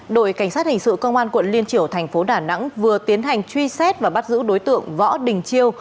đội cảnh sát hình sự công an quận liên triểu thành phố đà nẵng vừa tiến hành truy xét và bắt giữ đối tượng võ đình chiêu